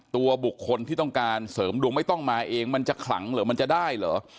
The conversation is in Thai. ตัวบุคคลที่ต้องการเสริมดวงไม่ต้องมาเองมันจะขลังเหรอมันจะได้เหรอ